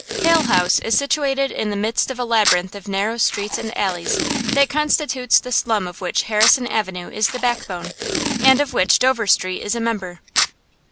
Hale House is situated in the midst of the labyrinth of narrow streets and alleys that constitutes the slum of which Harrison Avenue is the backbone, and of which Dover Street is a member.